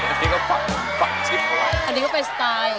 อันนี้ก็ฝังชิบเอาไว้อันนี้ก็เป็นสไตล์